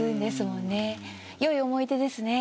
良い思い出ですね。